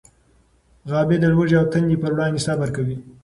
غابي د لوږې او تندې پر وړاندې صبر کوي.